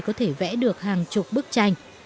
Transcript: có thể vẽ được hàng chục bức tranh